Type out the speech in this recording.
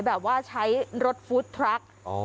แบบว่าใช้รถฟู้ดทรัค